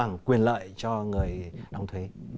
đảm bảo quyền lợi cho người đóng thuế